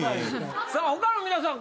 さあ他の皆さん